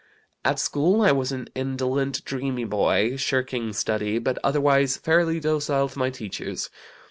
"At school I was an indolent, dreamy boy, shirking study, but otherwise fairly docile to my teachers.